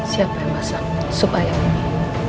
siapa yang masak sup ayam ini